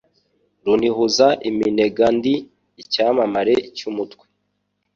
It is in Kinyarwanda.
Runihuza iminegaNdi icyamamare cy' umutwe.